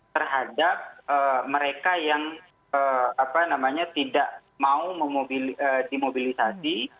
terhadap mereka yang tidak mau dimobilisasi